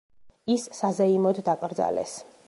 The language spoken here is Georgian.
ის საზეიმოდ დაკრძალეს.